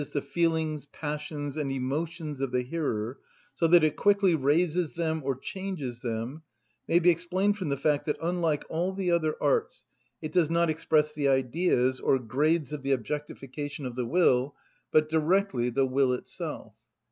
_, the feelings, passions, and emotions of the hearer, so that it quickly raises them or changes them, may be explained from the fact that, unlike all the other arts, it does not express the Ideas, or grades of the objectification of the will, but directly the will itself.